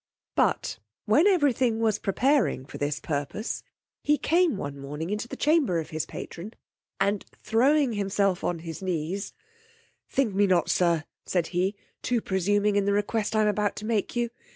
But when every thing was preparing for this purpose, he came one morning into the chamber of his patron, and throwing himself on his knees Think me not, sir, said he, too presuming in the request I am about to make you.